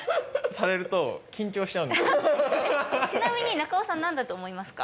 ちなみに中尾さんなんだと思いますか？